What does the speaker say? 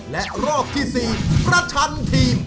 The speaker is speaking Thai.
และรอบที่๔ประชันทีม